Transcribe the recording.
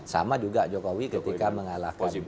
sama juga jokowi ketika mengalahkan